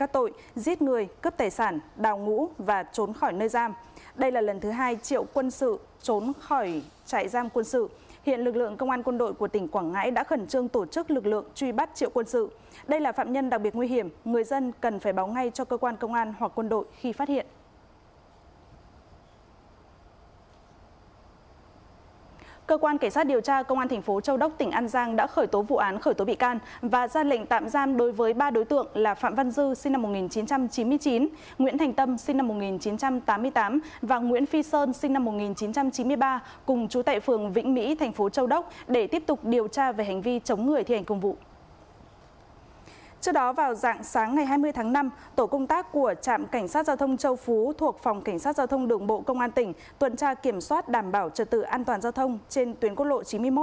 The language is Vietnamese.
trước đó vào dạng sáng ngày hai mươi tháng năm tổ công tác của trạm cảnh sát giao thông châu phú thuộc phòng cảnh sát giao thông đường bộ công an tỉnh tuần tra kiểm soát đảm bảo trật tự an toàn giao thông trên tuyến cốt lộ chín mươi một